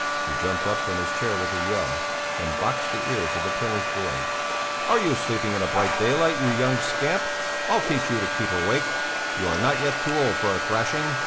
He jumped up from his chair with a yell, and boxed the ears of the printer's boy. "Are you sleeping in bright daylight, you young scamp? I'll teach you to keep awake. You are not yet too old for a thrashing."